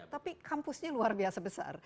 tapi kampusnya luar biasa besar